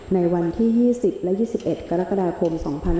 ในวันที่๒๐และ๒๑กรกฎาคม๒๕๖๒